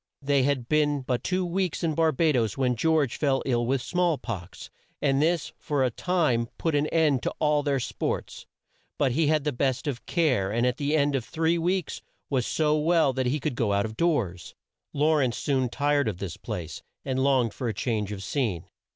They had been but two weeks in Bar ba does when George fell ill with small pox, and this for a time put an end to all their sports. But he had the best of care, and at the end of three weeks was so well that he could go out of doors. Law rence soon tired of this place, and longed for a change of scene.